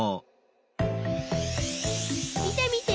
みてみて！